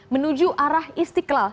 menuju arah istiqlal